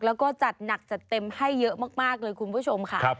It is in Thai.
แล้วก็จัดหนักจัดเต็มให้เยอะมากเลยคุณผู้ชมค่ะ